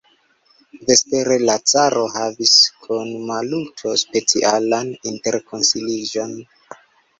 Vespere la caro havis kun Maluto specialan interkonsiliĝon.